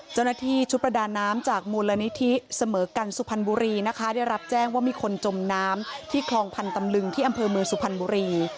เจ้าหน้าที่ชุดประดาน้ำจากมูลนิธิเสมอกันสุพรรณบุรีนะคะได้รับแจ้งว่ามีคนจมน้ำที่คลองพันธ์ตำลึงที่อำเภอเมืองสุพรรณบุรี